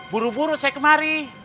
buru buru saya kemari